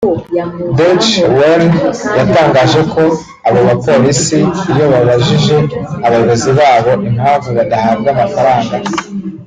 Deutsche Welle yatangaje ko abo bapolisi iyo babajije abayobozi babo impamvu badahabwa amafaranga